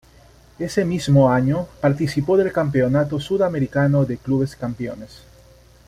Ese mismo año participó del Campeonato Sudamericano de Clubes Campeones.